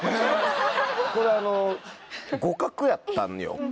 これ互角やったんよ。